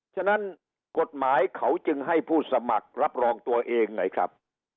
ฉะนั้นกฎหมายเขาจึงให้ผู้สมัครรับรองตัวเองไงครับ